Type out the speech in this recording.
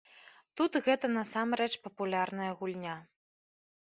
Тут гэта насамрэч папулярная гульня.